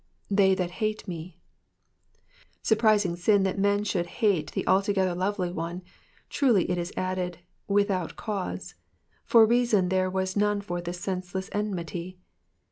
''Tkey that haU ia«." Surprising on that men should hate the altogether loTely one, truly is it added, ^^ wUhout a ixnue/^ for reason there was none for this senseless ennuty.